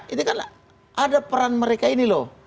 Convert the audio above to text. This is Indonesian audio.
ini kan ada peran mereka ini loh